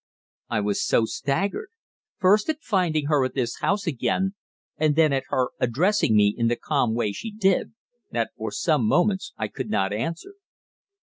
I was so staggered, first at finding her at this house again, and then at her addressing me in the calm way she did, that for some moments I could not answer.